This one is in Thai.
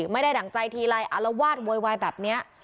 ไม่ได้ดั่งใจทีลัยอะละวาดโวยวายแบบเนี้ย